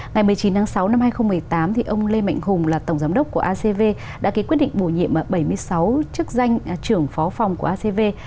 ngày một mươi chín tháng sáu năm hai nghìn một mươi tám ông lê mạnh hùng là tổng giám đốc của acv đã ký quyết định bổ nhiệm bảy mươi sáu chức danh trưởng phó phòng của acv